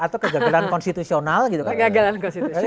atau kejagalan konstitusional gitu kan